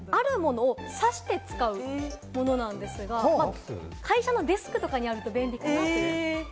これ、あるものをさして使うものなんですが、会社のデスクなどにあると便利です。